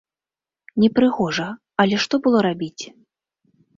Непрыгожа, але што было рабіць?!